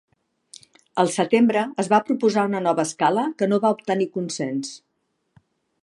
Al setembre es va proposar una nova escala que no va obtenir consens.